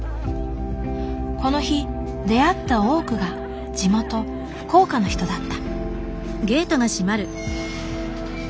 この日出会った多くが地元福岡の人だった。